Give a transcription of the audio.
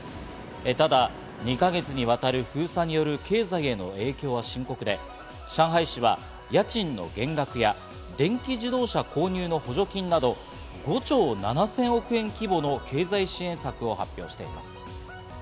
ただ２か月にわたる封鎖による経済への影響は深刻で、上海市は家賃の減額や電気自動車購入の補助金など、５兆７０００億円規模の経済支援策を発表しています。